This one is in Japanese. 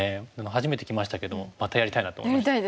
初めて着ましたけどもまたやりたいなと思いました。